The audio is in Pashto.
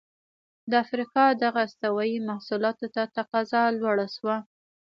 د افریقا دغو استوايي محصولاتو ته تقاضا لوړه شوه.